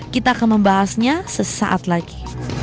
kita akan membahasnya sesaat lagi